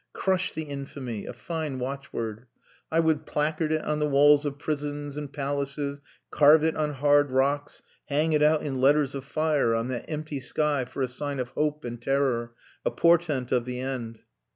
Crush the Infamy! A fine watchword! I would placard it on the walls of prisons and palaces, carve it on hard rocks, hang it out in letters of fire on that empty sky for a sign of hope and terror a portent of the end...."